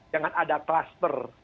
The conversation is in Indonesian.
jangan ada cluster